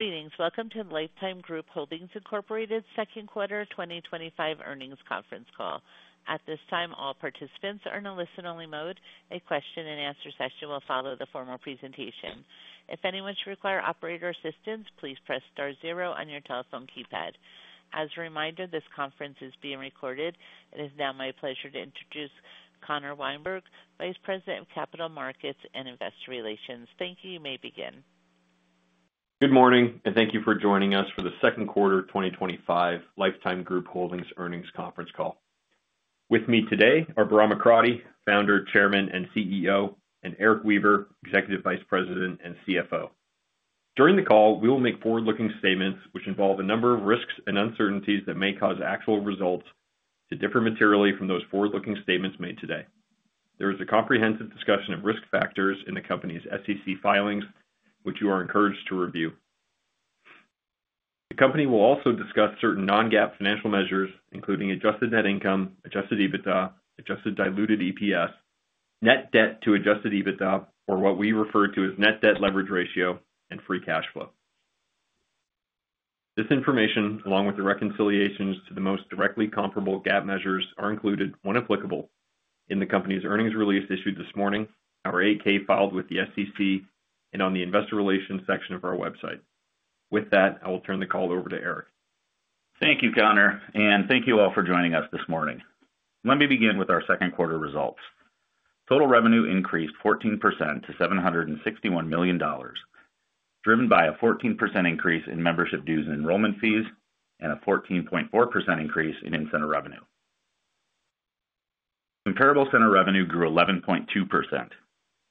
Greetings. Welcome to Life Time Group Holdings, Inc., second quarter 2025 earnings conference call. At this time, all participants are in a listen-only mode. A question and answer session will follow the formal presentation. If anyone should require operator assistance, please press star zero on your telephone keypad. As a reminder, this conference is being recorded. It is now my pleasure to introduce Connor Wienberg, Vice President of Capital Markets and Investor Relations. Thank you. You may begin. Good morning, and thank you for joining us for the Second Quarter 2025 Life Time Group Holdings Earnings Conference Call. With me today are Bahram Akradi, Founder, Chairman, and CEO, and Eric Weaver, Executive Vice President and CFO. During the call, we will make forward-looking statements, which involve a number of risks and uncertainties that may cause actual results to differ materially from those forward-looking statements made today. There is a comprehensive discussion of risk factors in the company's SEC filings, which you are encouraged to review. The company will also discuss certain non-GAAP financial measures, including adjusted net income, adjusted EBITDA, adjusted diluted EPS, net debt to adjusted EBITDA, or what we refer to as net debt leverage ratio, and free cash flow. This information, along with the reconciliations to the most directly comparable GAAP measures, are included, when applicable, in the company's earnings release issued this morning, our 8-K filed with the SEC, and on the Investor Relations section of our website. With that, I will turn the call over to Eric. Thank you, Connor, and thank you all for joining us this morning. Let me begin with our second quarter results. Total revenue increased 14% to $761 million, driven by a 14% increase in membership dues and enrollment fees and a 14.4% increase in incentive revenue. Comparable center revenue grew 11.2%.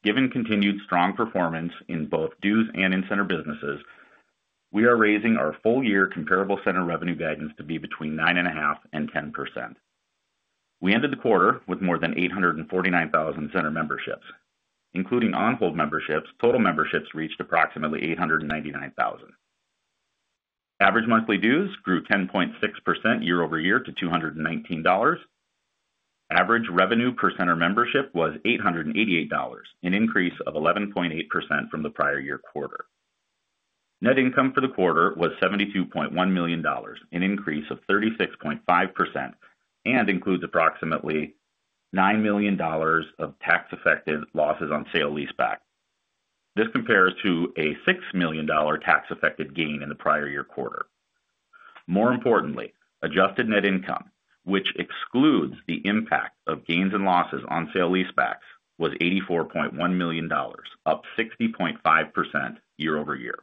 Given continued strong performance in both dues and incentive businesses, we are raising our full-year comparable center revenue guidance to be between 9.5% and 10%. We ended the quarter with more than 849,000 center memberships. Including on-hold memberships, total memberships reached approximately 899,000. Average monthly dues grew 10.6% year-over-year to $219. Average revenue per center membership was $888, an increase of 11.8% from the prior year quarter. Net income for the quarter was $72.1 million, an increase of 36.5%, and includes approximately $9 million of tax-effective losses on sale-leaseback. This compares to a $6 million tax-effective gain in the prior year quarter. More importantly, adjusted net income, which excludes the impact of gains and losses on sale-leasebacks, was $84.1 million, up 60.5% year-over-year.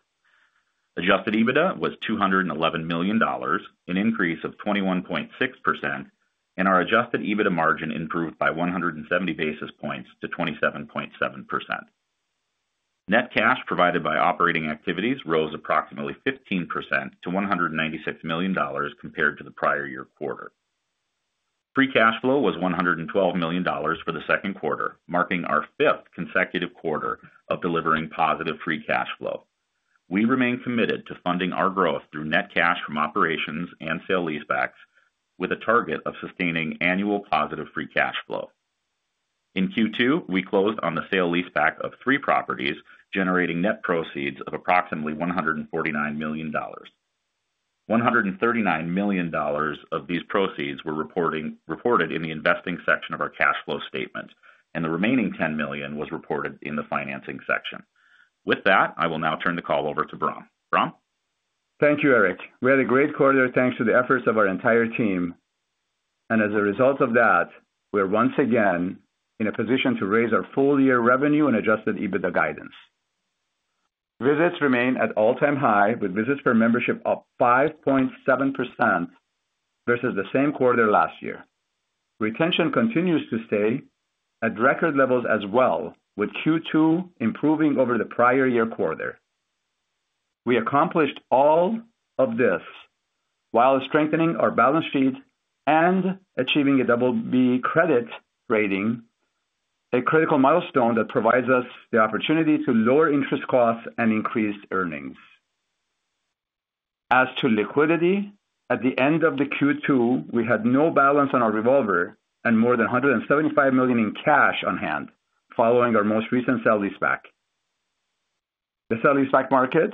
Adjusted EBITDA was $211 million, an increase of 21.6%, and our adjusted EBITDA margin improved by 170 basis points to 27.7%. Net cash provided by operating activities rose approximately 15% to $196 million compared to the prior year quarter. Free cash flow was $112 million for the second quarter, marking our fifth consecutive quarter of delivering positive free cash flow. We remain committed to funding our growth through net cash from operations and sale-leasebacks, with a target of sustaining annual positive free cash flow. In Q2, we closed on the sale-leaseback of three properties, generating net proceeds of approximately $149 million. $139 million of these proceeds were reported in the investing section of our cash flow statement, and the remaining $10 million was reported in the financing section. With that, I will now turn the call over to Bahram. Bahram? Thank you, Eric. We had a great quarter, thanks to the efforts of our entire team. As a result of that, we're once again in a position to raise our full-year revenue and adjusted EBITDA guidance. Visits remain at all-time high, with visits per membership up 5.7% versus the same quarter last year. Retention continues to stay at record levels as well, with Q2 improving over the prior year quarter. We accomplished all of this while strengthening our balance sheet and achieving a double B credit rating, a critical milestone that provides us the opportunity to lower interest costs and increase earnings. As to liquidity, at the end of Q2, we had no balance on our revolver and more than $175 million in cash on hand, following our most recent sale-leaseback. The sale-leaseback market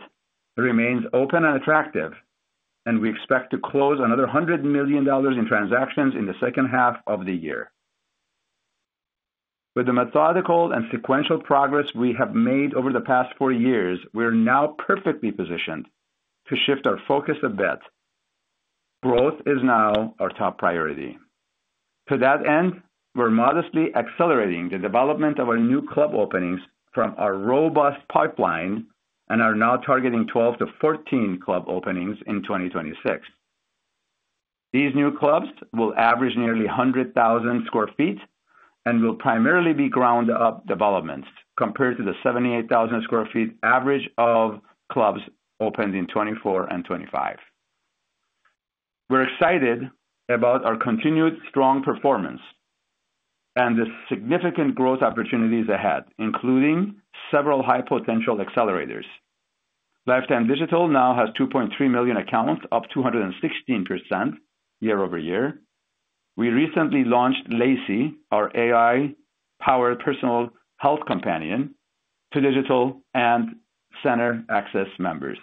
remains open and attractive, and we expect to close on another $100 million in transactions in the second half of the year. With the methodical and sequential progress we have made over the past four years, we're now perfectly positioned to shift our focus a bit. Growth is now our top priority. To that end, we're modestly accelerating the development of our new club openings from our robust pipeline and are now targeting 12-14 club openings in 2026. These new clubs will average nearly 100,000 sq ft and will primarily be ground-up developments compared to the 78,000 square feet average of clubs opened in 2024 and 2025. We're excited about our continued strong performance and the significant growth opportunities ahead, including several high-potential accelerators. Life Time Digital now has 2.3 million accounts, up 216% year-over-year. We recently launched Lacy, our AI-powered personal health companion, to digital and center access members.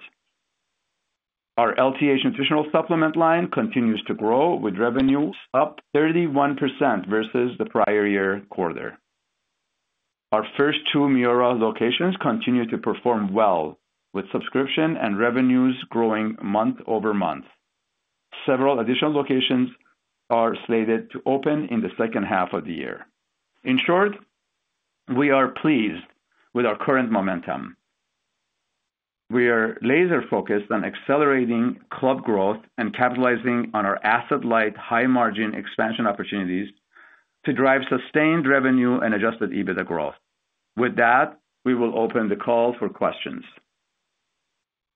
Our LTH nutritional supplement line continues to grow, with revenues up 31% versus the prior year quarter. Our first two Miura locations continue to perform well, with subscription and revenues growing month over month. Several additional locations are slated to open in the second half of the year. In short, we are pleased with our current momentum. We are laser-focused on accelerating club growth and capitalizing on our asset-light, high-margin expansion opportunities to drive sustained revenue and adjusted EBITDA growth. With that, we will open the call for questions.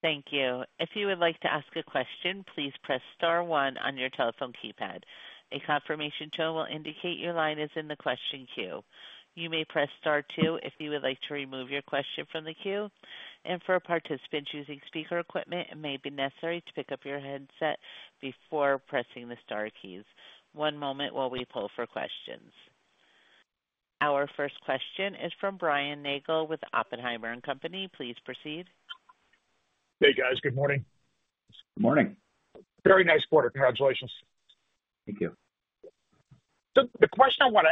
Thank you. If you would like to ask a question, please press star one on your telephone keypad. A confirmation tone will indicate your line is in the question queue. You may press star two if you would like to remove your question from the queue. For participants using speaker equipment, it may be necessary to pick up your headset before pressing the star keys. One moment while we poll for questions. Our first question is from Brian Nagel with Oppenheimer & Co. Please proceed. Hey, guys. Good morning. Good morning. Very nice quarter. Congratulations. Thank you. The question I want to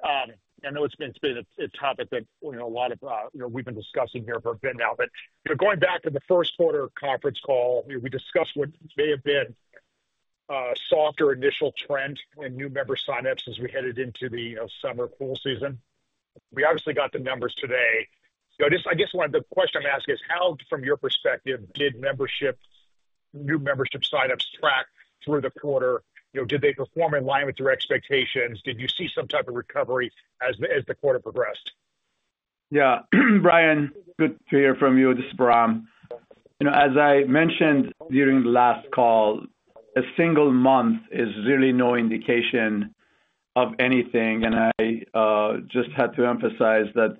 ask, and I know it's been a topic that a lot of us have been discussing here for a bit now, going back to the first quarter conference call, we discussed what may have been a softer initial trend in new member signups as we headed into the summer pool season. We obviously got the numbers today. I guess one of the questions I'm asking is how, from your perspective, did new membership signups track through the quarter? Did they perform in line with your expectations? Did you see some type of recovery as the quarter progressed? Yeah. Brian, good to hear from you. This is Bahram. As I mentioned during the last call, a single month is really no indication of anything. I just had to emphasize that.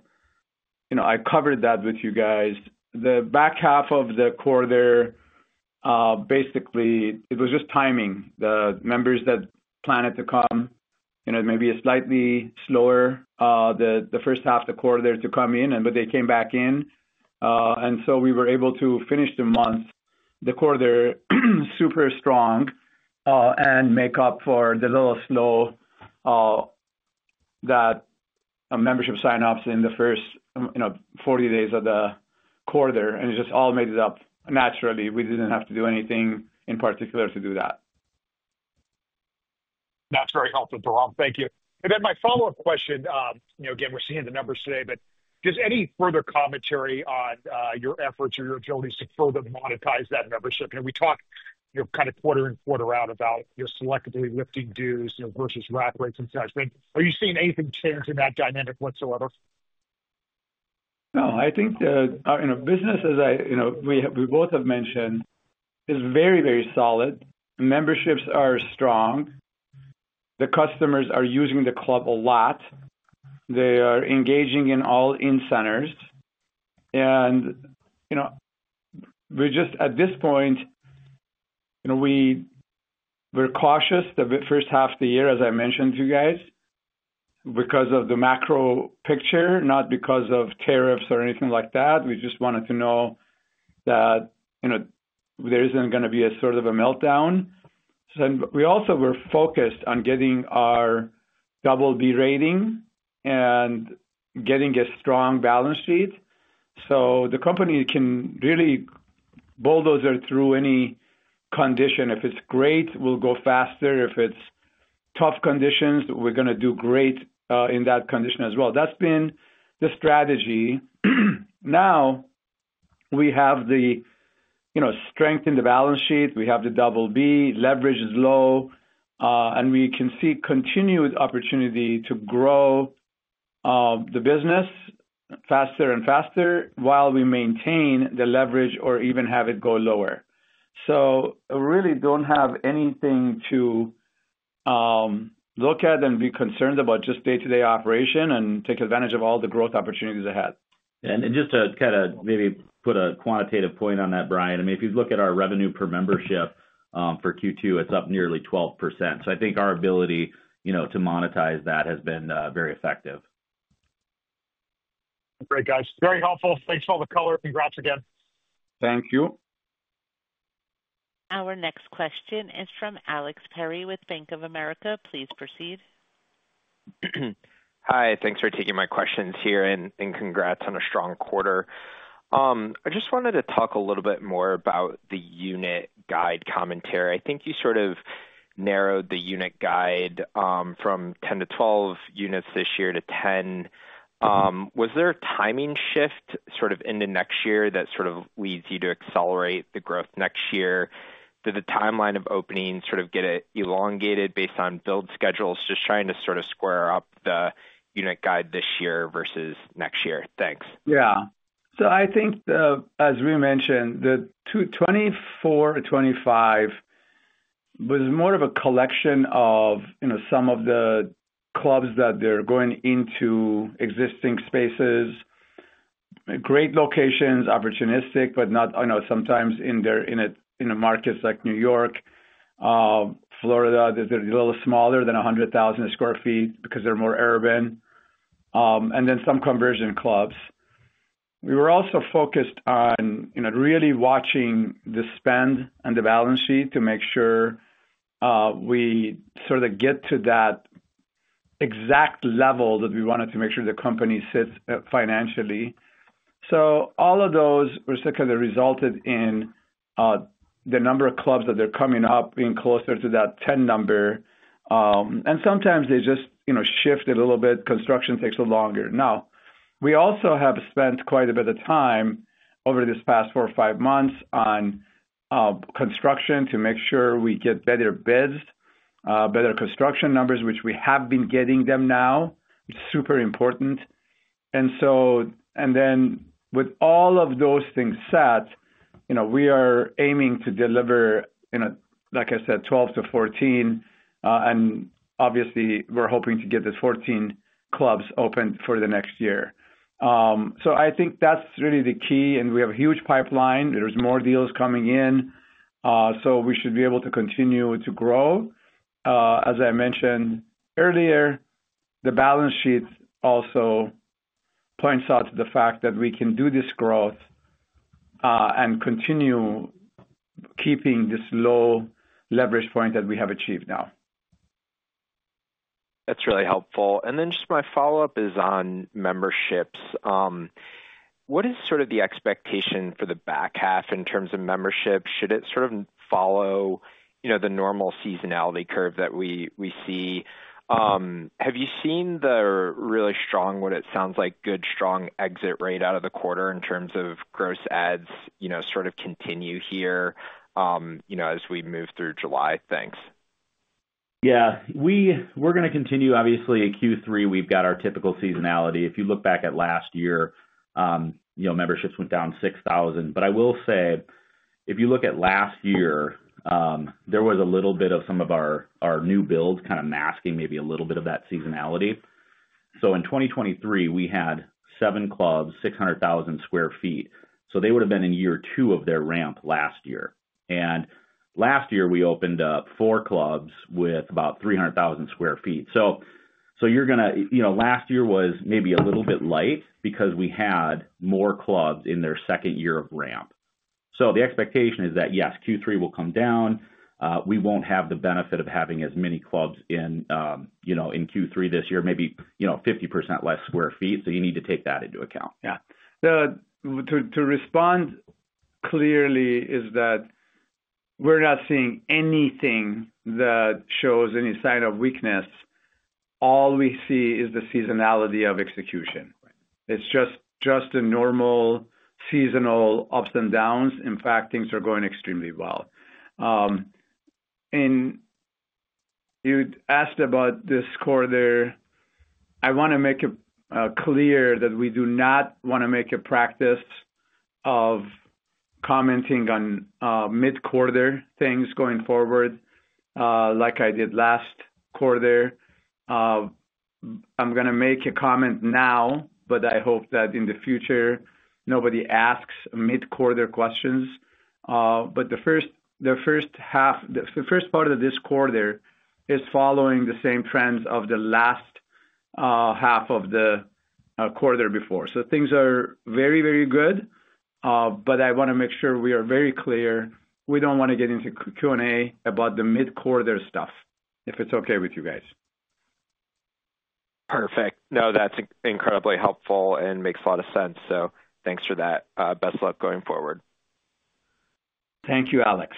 I covered that with you guys. The back half of the quarter, basically, it was just timing. The members that planned to come, maybe a slightly slower, the first half of the quarter to come in, but they came back in. We were able to finish the month, the quarter super strong, and make up for the little slow, that membership signups in the first, you know, 40 days of the quarter. It just all made it up naturally. We didn't have to do anything in particular to do that. That's very helpful, Bahram. Thank you. My follow-up question, you know, again, we're seeing the numbers today, but just any further commentary on your efforts or your abilities to further monetize that membership? We talk, you know, kind of quarter in, quarter out about, you know, selectively lifting dues, you know, versus rat rates and such. Are you seeing anything change in that dynamic whatsoever? No. I think the business, as I mentioned, is very, very solid. Memberships are strong. The customers are using the club a lot. They are engaging in all incentives. At this point, we're cautious the first half of the year, as I mentioned to you guys, because of the macro picture, not because of tariffs or anything like that. We just wanted to know that there isn't going to be a sort of a meltdown. We also were focused on getting our double B credit rating and getting a strong balance sheet so the company can really bulldoze through any condition. If it's great, we'll go faster. If it's tough conditions, we're going to do great in that condition as well. That's been the strategy. Now we have the strength in the balance sheet. We have the double B. Leverage is low, and we can see continued opportunity to grow the business faster and faster while we maintain the leverage or even have it go lower. We really don't have anything to look at and be concerned about. Just day-to-day operation and take advantage of all the growth opportunities ahead. To kind of maybe put a quantitative point on that, Brian, if you look at our revenue per membership for Q2, it's up nearly 12%. I think our ability to monetize that has been very effective. Great, guys. It's very helpful. Thanks for all the color and congrats again. Thank you. Our next question is from Alex Perry with Bank of America. Please proceed. Hi. Thanks for taking my questions here and congrats on a strong quarter. I just wanted to talk a little bit more about the unit guide commentary. I think you sort of narrowed the unit guide from 10-12 units this year to 10. Was there a timing shift into next year that leads you to accelerate the growth next year? Did the timeline of opening get elongated based on build schedules? Just trying to square up the unit guide this year versus next year. Thanks. Yeah. I think, as we mentioned, the 2024 to 2025 was more of a collection of, you know, some of the clubs that they're going into existing spaces. Great locations, opportunistic, but not, you know, sometimes in markets like New York, Florida, they're a little smaller than 100,000 square feet because they're more urban, and then some conversion clubs. We were also focused on really watching the spend and the balance sheet to make sure we sort of get to that exact level that we wanted to make sure the company sits financially. All of those were secondary, resulted in the number of clubs that they're coming up being closer to that 10 number, and sometimes they just shift a little bit. Construction takes a little longer. We also have spent quite a bit of time over this past four or five months on construction to make sure we get better bids, better construction numbers, which we have been getting them now, which is super important. With all of those things set, we are aiming to deliver, like I said, 12 to 14, and obviously, we're hoping to get the 14 clubs open for the next year. I think that's really the key. We have a huge pipeline. There's more deals coming in, so we should be able to continue to grow. As I mentioned earlier, the balance sheet also points out to the fact that we can do this growth and continue keeping this low leverage point that we have achieved now. That's really helpful. Just my follow-up is on memberships. What is sort of the expectation for the back half in terms of membership? Should it sort of follow the normal seasonality curve that we see? Have you seen the really strong, what it sounds like, good strong exit rate out of the quarter in terms of gross ads continue here as we move through July? Thanks. Yeah. We're going to continue, obviously, at Q3. We've got our typical seasonality. If you look back at last year, you know, memberships went down 6,000. If you look at last year, there was a little bit of some of our new builds kind of masking maybe a little bit of that seasonality. In 2023, we had seven clubs, 600,000 square feet. They would have been in year two of their ramp last year. Last year, we opened up four clubs with about 300,000 square feet. Last year was maybe a little bit light because we had more clubs in their second year of ramp. The expectation is that, yes, Q3 will come down. We won't have the benefit of having as many clubs in Q3 this year, maybe 50% less square feet. You need to take that into account. Yeah. To respond clearly, we're not seeing anything that shows any sign of weakness. All we see is the seasonality of execution. It's just a normal seasonal ups and downs. In fact, things are going extremely well. You asked about this quarter. I want to make it clear that we do not want to make a practice of commenting on mid-quarter things going forward, like I did last quarter. I'm going to make a comment now, but I hope that in the future, nobody asks mid-quarter questions. The first part of this quarter is following the same trends of the last half of the quarter before. Things are very, very good. I want to make sure we are very clear. We don't want to get into Q&A about the mid-quarter stuff, if it's okay with you guys. Perfect. No, that's incredibly helpful and makes a lot of sense. Thanks for that. Best luck going forward. Thank you, Alex.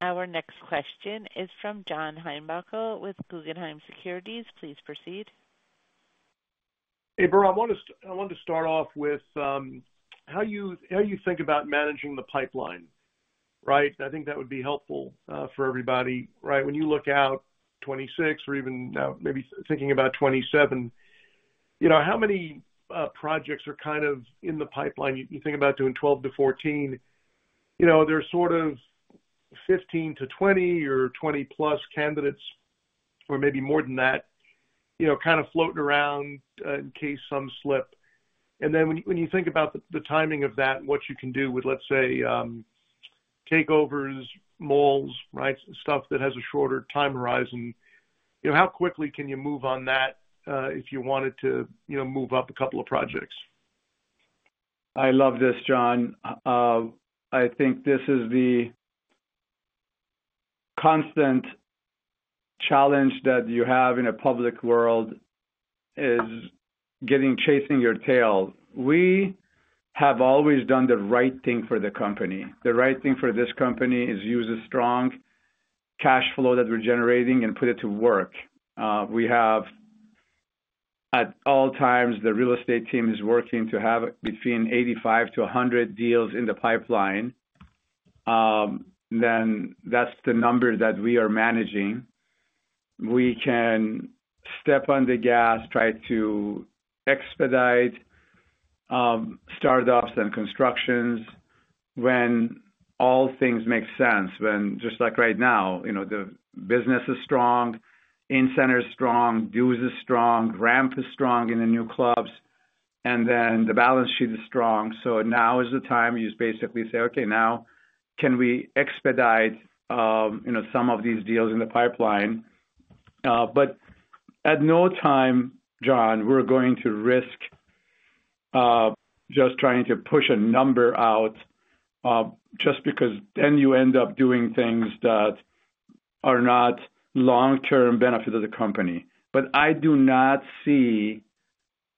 Our next question is from John Heinbockel with Guggenheim Securities. Please proceed. Hey, Bahram. I wanted to start off with how you think about managing the pipeline, right? I think that would be helpful for everybody, right? When you look out to 2026 or even now, maybe thinking about 2027, you know, how many projects are kind of in the pipeline? You think about doing 12 to 14, you know, there's sort of 15 to 20 or 20-plus candidates or maybe more than that, you know, kind of floating around in case some slip. When you think about the timing of that and what you can do with, let's say, takeovers, malls, right, stuff that has a shorter time horizon, you know, how quickly can you move on that if you wanted to, you know, move up a couple of projects? I love this, John. I think this is the constant challenge that you have in a public world is getting chasing your tail. We have always done the right thing for the company. The right thing for this company is use a strong cash flow that we're generating and put it to work. We have, at all times, the real estate team is working to have between 85-100 deals in the pipeline. That's the number that we are managing. We can step on the gas, try to expedite startups and constructions when all things make sense, when just like right now, you know, the business is strong, incentive is strong, dues are strong, ramp is strong in the new clubs, and the balance sheet is strong. Now is the time you basically say, "Okay, now can we expedite, you know, some of these deals in the pipeline?" At no time, John, are we going to risk just trying to push a number out, just because then you end up doing things that are not long-term benefit of the company. I do not see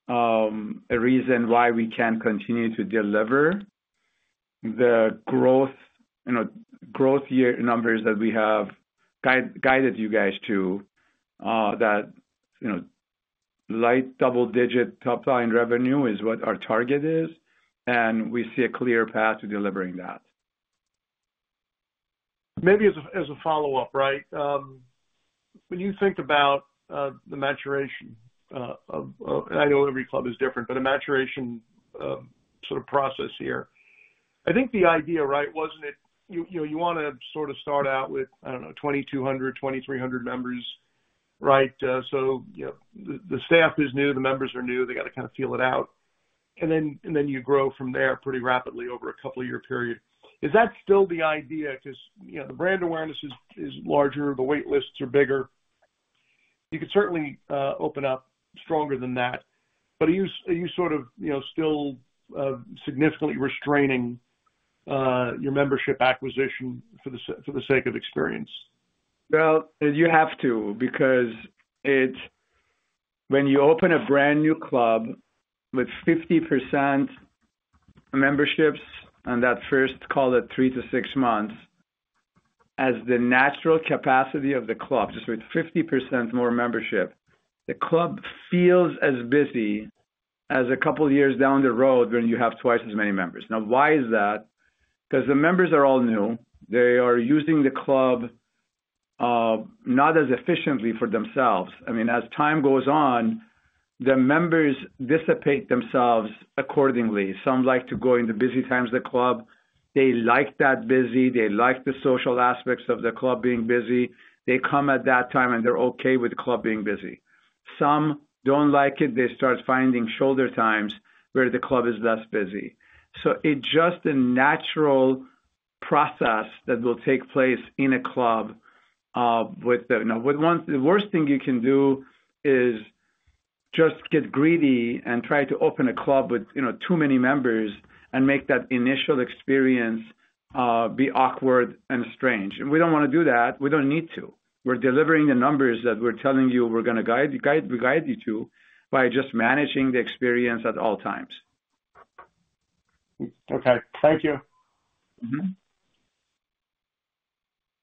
a reason why we can't continue to deliver the growth, you know, growth year numbers that we have guided you guys to, that, you know, light double-digit top-line revenue is what our target is, and we see a clear path to delivering that. Maybe as a follow-up, when you think about the maturation of, and I know every club is different, but a maturation sort of process here, I think the idea, wasn't it, you want to sort of start out with, I don't know, 2,200, 2,300 members, right? The staff is new, the members are new, they got to kind of feel it out. Then you grow from there pretty rapidly over a couple-year period. Is that still the idea? The brand awareness is larger, the wait lists are bigger. You could certainly open up stronger than that. Are you still significantly restraining your membership acquisition for the sake of experience? You have to because it's when you open a brand new club with 50% memberships on that first call at three to six months, as the natural capacity of the club, just with 50% more membership, the club feels as busy as a couple of years down the road when you have twice as many members. Now, why is that? Because the members are all new. They are using the club, not as efficiently for themselves. I mean, as time goes on, the members dissipate themselves accordingly. Some like to go in the busy times of the club. They like that busy. They like the social aspects of the club being busy. They come at that time and they're okay with the club being busy. Some don't like it. They start finding shoulder times where the club is less busy. It's just a natural process that will take place in a club, with one. The worst thing you can do is just get greedy and try to open a club with too many members and make that initial experience be awkward and strange. We don't want to do that. We don't need to. We're delivering the numbers that we're telling you we're going to guide you to by just managing the experience at all times. Okay. Thank you.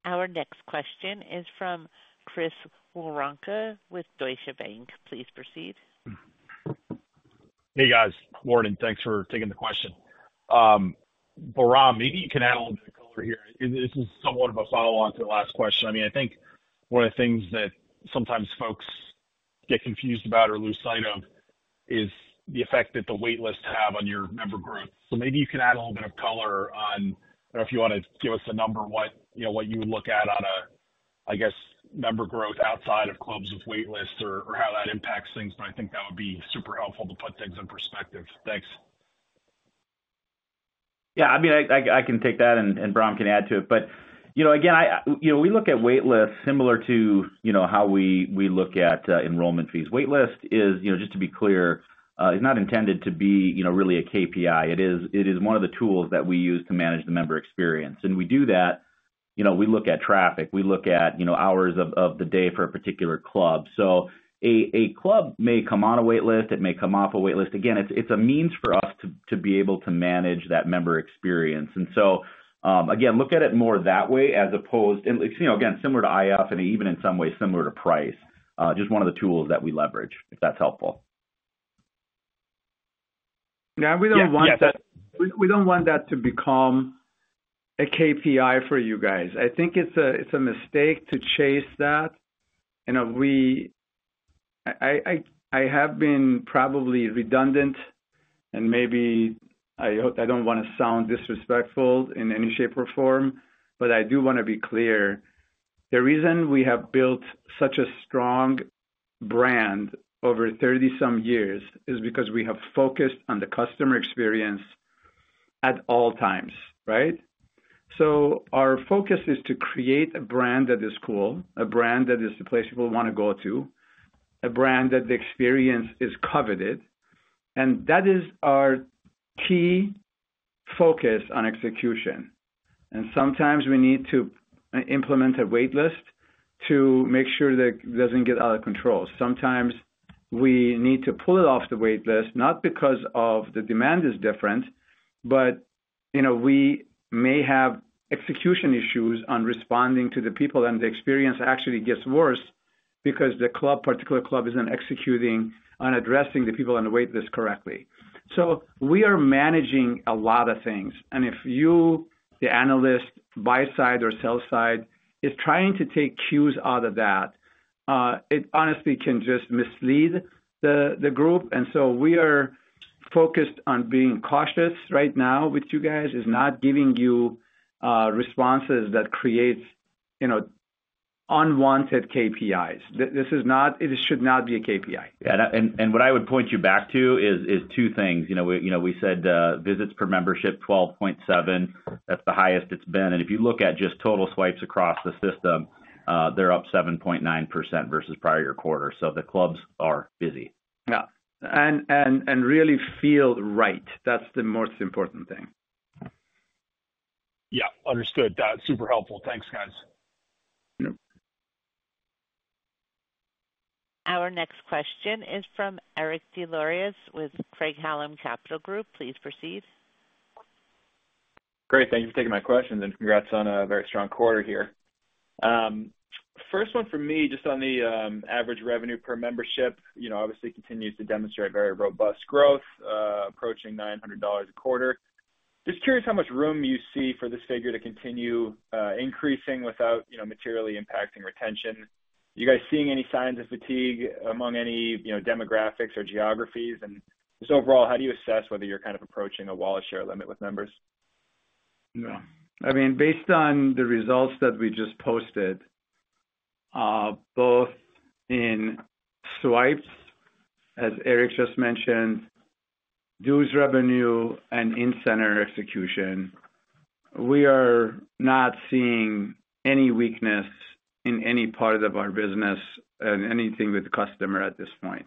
Our next question is from Chris Woronka with Deutsche Bank. Please proceed. Hey, guys. Morning. Thanks for taking the question. Bahram, maybe you can add a little bit of color here. This is somewhat of a follow-on to the last question. I think one of the things that sometimes folks get confused about or lose sight of is the effect that the wait lists have on your member growth. Maybe you can add a little bit of color on, I don't know if you want to give us a number, what you would look at on a member growth outside of clubs with wait lists or how that impacts things. I think that would be super helpful to put things in perspective. Thanks. Yeah. I can take that and Bahram can add to it. We look at wait lists similar to how we look at enrollment fees. Wait list is, just to be clear, not intended to be really a KPI. It is one of the tools that we use to manage the member experience. We do that by looking at traffic and hours of the day for a particular club. A club may come on a wait list or it may come off a wait list. It is a means for us to be able to manage that member experience. Look at it more that way as opposed to, similar to IF and even in some ways similar to price. Just one of the tools that we leverage, if that's helpful. Yeah. We don't want that to become a KPI for you guys. I think it's a mistake to chase that. I have been probably redundant, and maybe I hope I don't want to sound disrespectful in any shape or form, but I do want to be clear. The reason we have built such a strong brand over 30-some years is because we have focused on the customer experience at all times, right? Our focus is to create a brand that is cool, a brand that is the place people want to go to, a brand that the experience is coveted. That is our key focus on execution. Sometimes we need to implement a wait list to make sure that it doesn't get out of control. Sometimes we need to pull it off the wait list, not because the demand is different, but we may have execution issues on responding to the people, and the experience actually gets worse because the particular club isn't executing on addressing the people on the wait list correctly. We are managing a lot of things. If you, the analyst, buy side or sell side, are trying to take cues out of that, it honestly can just mislead the group. We are focused on being cautious right now with you guys, not giving you responses that create unwanted KPIs. This is not, it should not be a KPI. Yeah. What I would point you back to is two things. You know, we said visits per membership, 12.7. That's the highest it's been. If you look at just total swipes across the system, they're up 7.9% versus prior year quarter. The clubs are busy. Yeah, and really feel right. That's the most important thing. Yeah, understood. That's super helpful. Thanks, guys. Our next question is from Eric Lauriers with Craig-Hallum Capital Group. Please proceed. Great. Thank you for taking my questions, and congrats on a very strong quarter here. First one for me, just on the average revenue per membership, obviously continues to demonstrate very robust growth, approaching $900 a quarter. Just curious how much room you see for this figure to continue increasing without materially impacting retention. You guys seeing any signs of fatigue among any demographics or geographies? Just overall, how do you assess whether you're kind of approaching a wall of share limit with members? Yeah, I mean, based on the results that we just posted, both in swipes, as Eric just mentioned, dues revenue, and incentive execution, we are not seeing any weakness in any part of our business or anything with the customer at this point.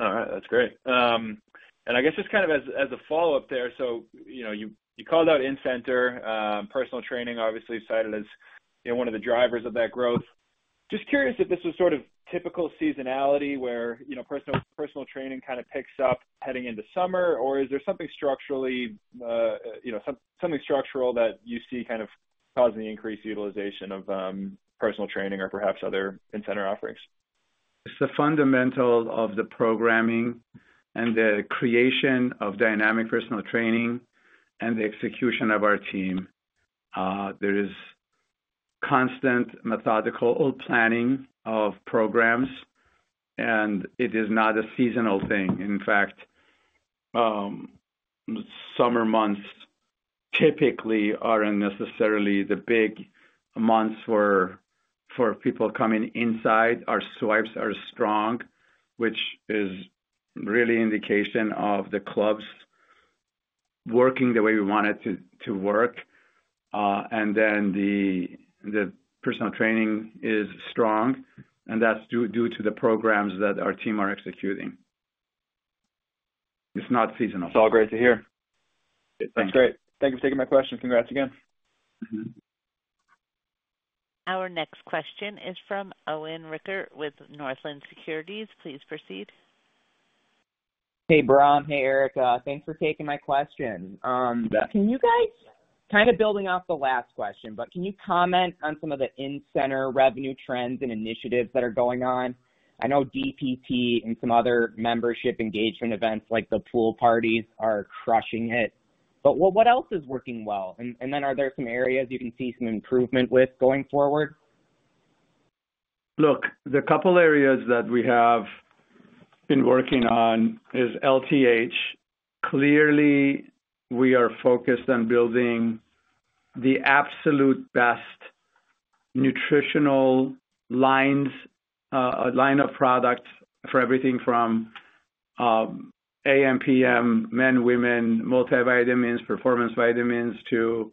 All right. That's great. I guess just kind of as a follow-up there, you called out incentive, personal training, obviously cited as one of the drivers of that growth. Just curious if this was sort of typical seasonality where personal training kind of picks up heading into summer, or is there something structurally, you know, something structural that you see kind of causing the increased utilization of personal training or perhaps other incentive offerings? It's the fundamental of the programming and the creation of dynamic personal training and the execution of our team. There is constant, methodical planning of programs, and it is not a seasonal thing. In fact, summer months typically aren't necessarily the big months for people coming inside. Our swipes are strong, which is really an indication of the clubs working the way we want it to work. The personal training is strong, and that's due to the programs that our team are executing. It's not seasonal. That's all great to hear. Thanks. That's great. Thank you for taking my question. Congrats again. Our next question is from Owen Rickert with Northland Securities. Please proceed. Hey, Bahram. Hey, Eric. Thanks for taking my question. Can you guys, kind of building off the last question, comment on some of the incentive revenue trends and initiatives that are going on? I know DPT and some other membership engagement events like the pool parties are crushing it. What else is working well? Are there some areas you can see some improvement with going forward? Look, the couple of areas that we have been working on is LTH. Clearly, we are focused on building the absolute best nutritional lines, a line of products for everything from AM, PM, men, women, multivitamins, performance vitamins to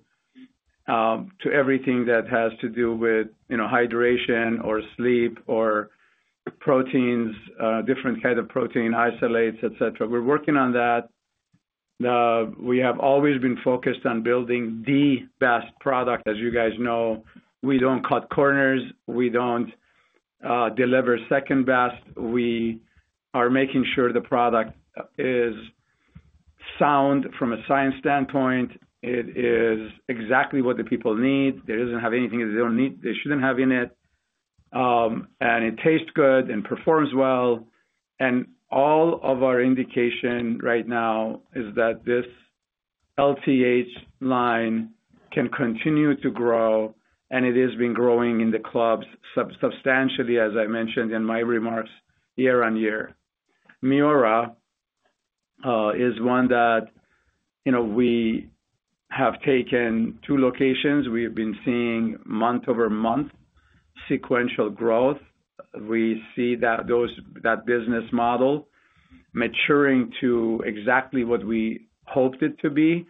everything that has to do with, you know, hydration or sleep or proteins, different kinds of protein isolates, etc. We're working on that. We have always been focused on building the best product. As you guys know, we don't cut corners. We don't deliver second best. We are making sure the product is sound from a science standpoint. It is exactly what the people need. It doesn't have anything that they don't need, they shouldn't have in it. It tastes good and performs well. All of our indication right now is that this LTH line can continue to grow, and it has been growing in the clubs substantially, as I mentioned in my remarks year on year. Miura is one that, you know, we have taken two locations. We've been seeing month over month sequential growth. We see that business model maturing to exactly what we hoped it to be.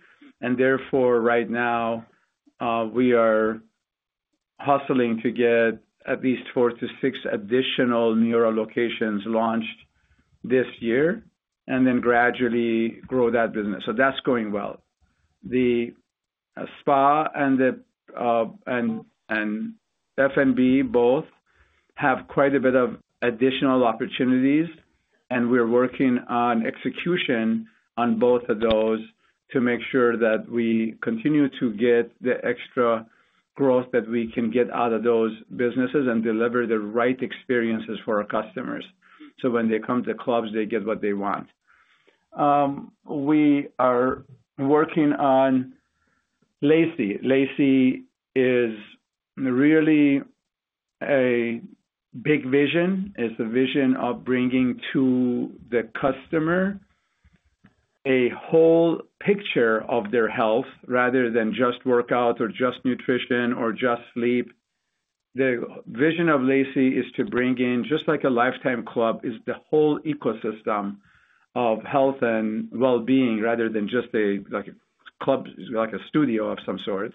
Therefore, right now, we are hustling to get at least four to six additional Miura locations launched this year and then gradually grow that business. That's going well. The spa and the F&B both have quite a bit of additional opportunities, and we're working on execution on both of those to make sure that we continue to get the extra growth that we can get out of those businesses and deliver the right experiences for our customers so when they come to the clubs, they get what they want. We are working on Lacy. Lacy is really a big vision. It's a vision of bringing to the customer a whole picture of their health rather than just workout or just nutrition or just sleep. The vision of Lacy is to bring in, just like a Life Time club, the whole ecosystem of health and well-being rather than just a club, like a studio of some sort.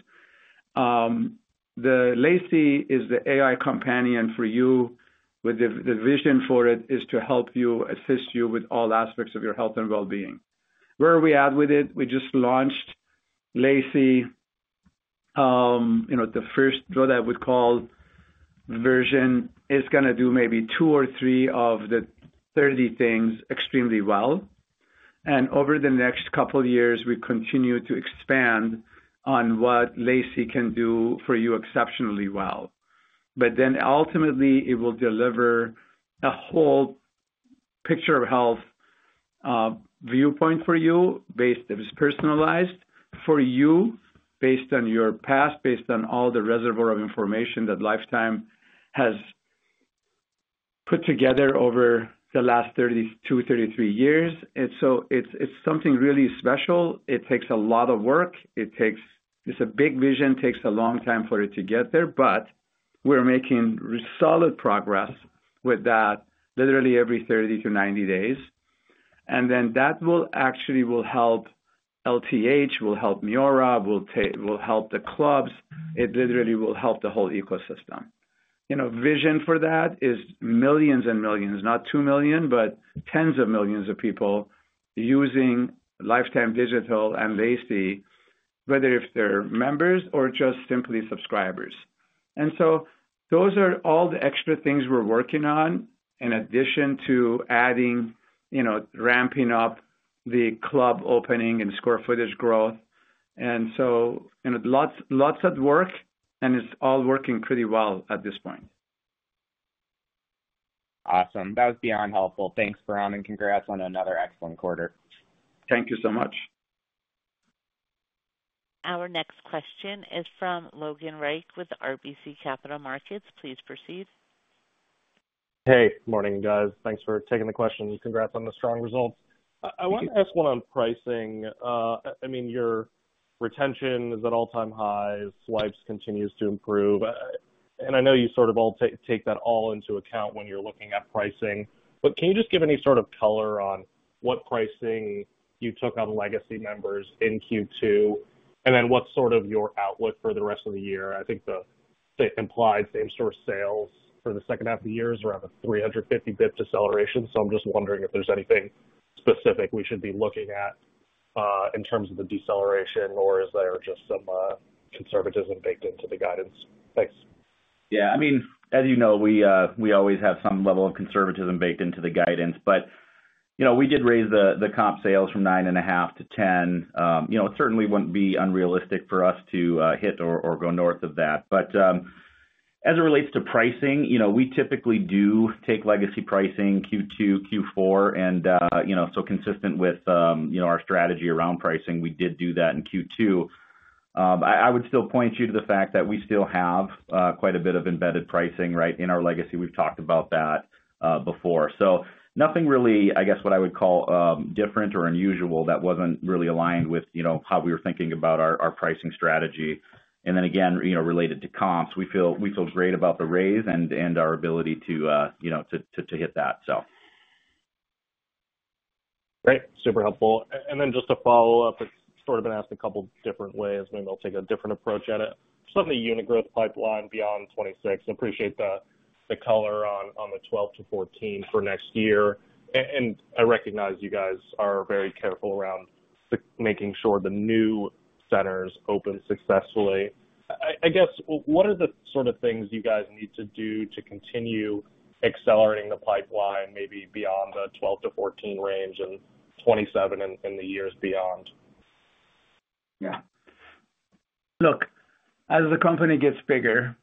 Lacy is the AI companion for you, with the vision for it to help you, assist you with all aspects of your health and well-being. Where are we at with it? We just launched Lacy. The first, what I would call, version is going to do maybe two or three of the 30 things extremely well. Over the next couple of years, we continue to expand on what Lacy can do for you exceptionally well. Ultimately, it will deliver a whole picture of health viewpoint for you if it's personalized for you, based on your past, based on all the reservoir of information that Life Time has put together over the last 32, 33 years. It's something really special. It takes a lot of work. It takes a big vision, takes a long time for it to get there, but we're making solid progress with that literally every 30-90 days. That will actually help LTH, will help Miura, will help the clubs. It literally will help the whole ecosystem. The vision for that is millions and millions, not 2 million, but tens of millions of people using Life Time Digital and Lacy, whether they're members or just simply subscribers. Those are all the extra things we're working on in addition to adding, ramping up the club opening and square footage growth. There's lots of work, and it's all working pretty well at this point. Awesome. That was beyond helpful. Thanks, Bahram, and congrats on another excellent quarter. Thank you so much. Our next question is from Logan Reich with RBC Capital Markets. Please proceed. Hey. Morning, guys. Thanks for taking the question. Congrats on the strong results. I wanted to ask one on pricing. I mean, your retention is at all-time highs. Swipes continue to improve. I know you sort of all take that all into account when you're looking at pricing. Can you just give any sort of color on what pricing you took on legacy members in Q2? What's sort of your outlook for the rest of the year? I think the implied same-source sales for the second half of the year is around a 350 bps deceleration. I'm just wondering if there's anything specific we should be looking at, in terms of the deceleration, or is there just some conservatism baked into the guidance? Thanks. Yeah. As you know, we always have some level of conservatism baked into the guidance. We did raise the comp sales from 9.5% to 10%. It certainly wouldn't be unrealistic for us to hit or go north of that. As it relates to pricing, we typically do take legacy pricing Q2, Q4. Consistent with our strategy around pricing, we did do that in Q2. I would still point you to the fact that we still have quite a bit of embedded pricing in our legacy. We've talked about that before. Nothing really, I guess, what I would call different or unusual that wasn't really aligned with how we were thinking about our pricing strategy. Again, related to comps, we feel great about the raise and our ability to hit that. Great. Super helpful. Just to follow up, it's sort of been asked a couple of different ways. Maybe I'll take a different approach at it. On the unit growth pipeline beyond 2026, I appreciate the color on the 12-14 for next year. I recognize you guys are very careful around making sure the new centers open successfully. What are the sort of things you guys need to do to continue accelerating the pipeline maybe beyond the 12-14 range in 2027 and the years beyond? Yeah. Look, as the company gets bigger,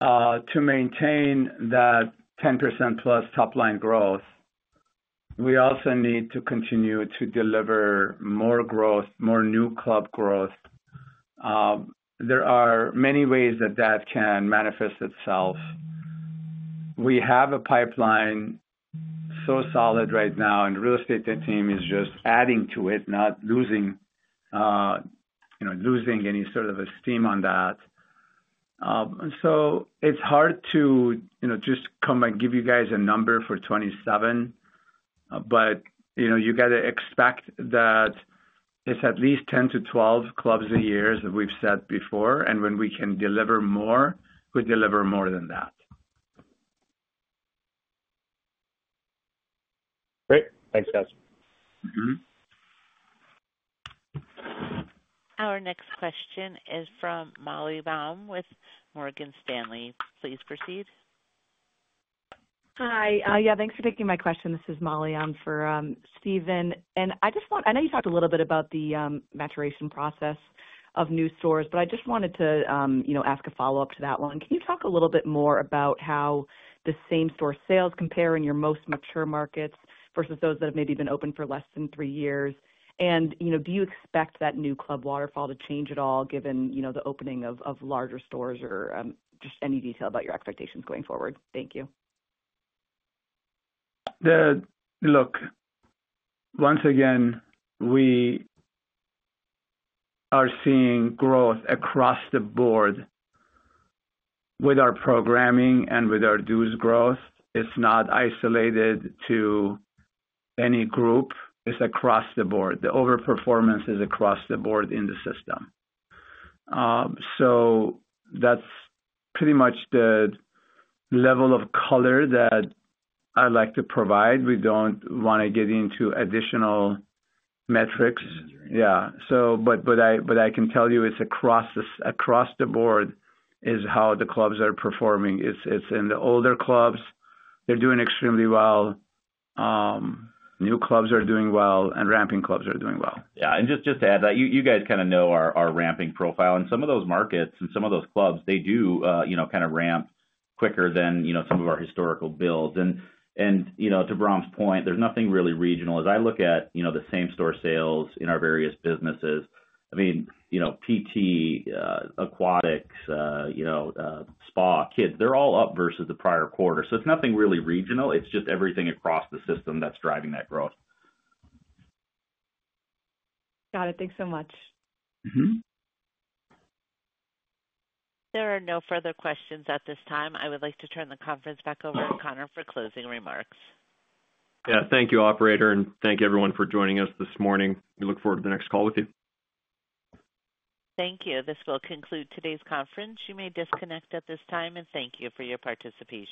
to maintain that 10%+ top-line growth, we also need to continue to deliver more growth, more new club growth. There are many ways that that can manifest itself. We have a pipeline so solid right now, and the real estate team is just adding to it, not losing any sort of esteem on that. It's hard to just come and give you guys a number for 2027. You got to expect that it's at least 10-12 clubs a year as we've said before. When we can deliver more, we deliver more than that. Great. Thanks, guys. Our next question is from Molly Baum with Morgan Stanley. Please proceed. Hi. Thanks for taking my question. This is Molly for Steven. I know you talked a little bit about the maturation process of new stores, but I just wanted to ask a follow-up to that one. Can you talk a little bit more about how the same-store sales compare in your most mature markets versus those that have maybe been open for less than three years? Do you expect that new club waterfall to change at all given the opening of larger stores or just any detail about your expectations going forward? Thank you. Look, once again, we are seeing growth across the board with our programming and with our dues growth. It's not isolated to any group. It's across the board. The overperformance is across the board in the system. That's pretty much the level of color that I like to provide. We don't want to get into additional metrics. I can tell you it's across the board is how the clubs are performing. It's in the older clubs. They're doing extremely well. New clubs are doing well, and ramping clubs are doing well. Yeah. Just to add to that, you guys kind of know our ramping profile. Some of those markets and some of those clubs, they do ramp quicker than some of our historical builds. To Bahram's point, there's nothing really regional. As I look at the same-store sales in our various businesses, PT, Aquatics, Spa, Kids, they're all up versus the prior quarter. It's nothing really regional. It's just everything across the system that's driving that growth. Got it. Thanks so much. There are no further questions at this time. I would like to turn the conference back over to Connor for closing remarks. Thank you, operator, and thank everyone for joining us this morning. We look forward to the next call with you. Thank you. This will conclude today's conference. You may disconnect at this time, and thank you for your participation.